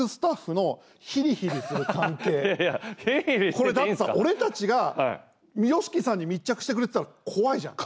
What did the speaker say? これ、だってさ、俺たちがＹＯＳＨＩＫＩさんに密着してくれって言ったら怖いじゃん。